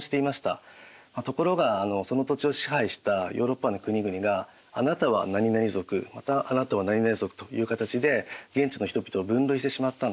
ところがその土地を支配してたヨーロッパの国々があなたはなになに族またあなたはなになに族という形で現地の人々を分類してしまったんですね。